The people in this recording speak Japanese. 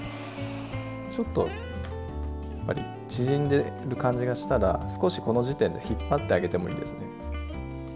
ちょっとやっぱり縮んでる感じがしたら少しこの時点で引っ張ってあげてもいいですね。